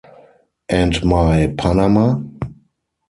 And my panama?...